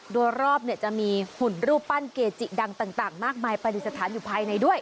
โดยรอบจะมีหุ่นรูปปั้นเกจิดังต่างมากมายปฏิสถานอยู่ภายในด้วย